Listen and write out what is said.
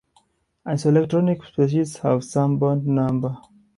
Isoelectronic species have same bond number.